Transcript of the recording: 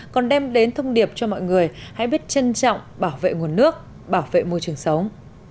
còn đem đến thông điệp cho mọi người hãy biết trân trọng bảo vệ nguồn nước bảo vệ môi trường sống